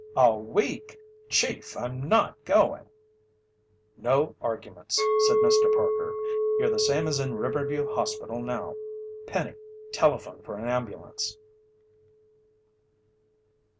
"A week! Chief, I'm not going!" "No arguments," said Mr. Parker. "You're the same as in Riverview Hospital now. Penny, telephone for an ambulance."